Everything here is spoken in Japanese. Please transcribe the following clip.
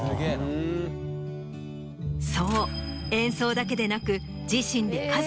そう演奏だけでなく。